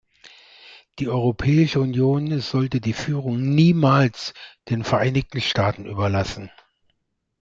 Die Europäische Union sollte die Führung niemals den Vereinigten Staaten überlassen.